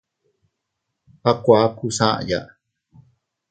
A kuakus aʼaya.